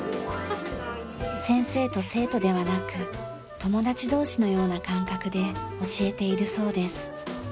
先生と生徒ではなく友達同士のような感覚で教えているそうです。